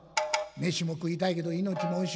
飯も食いたいけど命も惜しいわ。